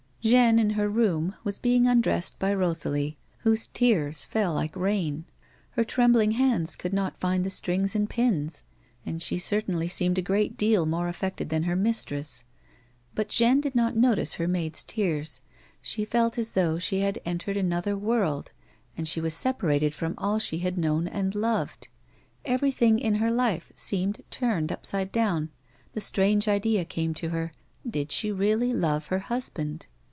Jeanne, in her room, was being undressed by Rosalie, whose tears fell like rain ; her trembling hands could not find the strings and pins, and she certainly seemed a great deal more affected than her mistress. But Jeanne did not notice her maid's tears ; she felt as though she had entered another world, and was separated from all she had known and loved. Everything in her life seemed turned upside down ; the strange idea came to her :" Did she really love her husband?"